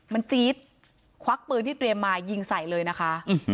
มันจี๊ดควักปืนที่เตรียมมายิงใส่เลยนะคะ